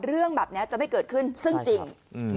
เรื่องแบบนี้จะไม่เกิดขึ้นซึ่งจริง